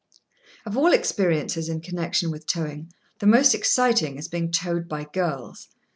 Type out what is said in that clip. Of all experiences in connection with towing, the most exciting is being towed by girls.